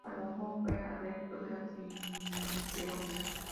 Palomo fue adepto de la cienciología.